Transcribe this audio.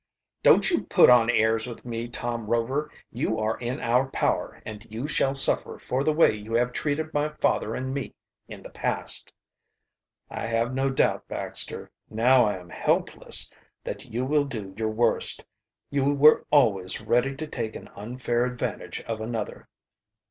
"Don't you put on airs with me, Tom Rover. You are in our power and you shall suffer for the way you have treated my father and me in the past." "I have no doubt, Baxter, now I am helpless, that you will do your worst. You were always ready to take an unfair advantage of another."